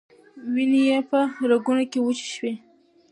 وینې یې په رګونو کې وچې شوې.